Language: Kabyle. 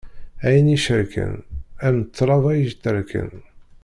Ayen icerken, am tlaba iterken.